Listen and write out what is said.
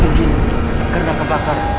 mungkin karena kebakar